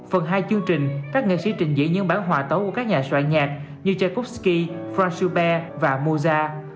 phần hai chương trình các nghệ sĩ trình diễn những bản hòa tấu của các nhà soạn nhạc như tchaikovsky fransube và moza